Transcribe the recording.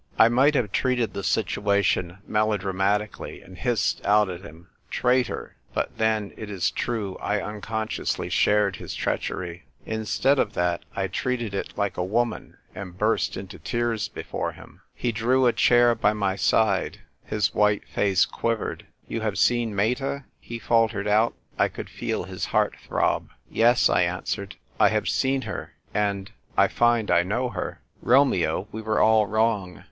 I might have treated the situation melo dramatically and hissed out at him " Traitor !" (But then, it is true, I unconsciously shared his treachery.) Instead of that I treated it like a woman, and burst into tears before him. ENVOY PLENIPOTENTIARY. 245 He drew a chair by my side. His white face quivered. "You have seenMeta?"he faltered out. I could feel his heart throb. " Yes," I answered, " I have seen her, and — I find I know her. Romeo, we were all wrong.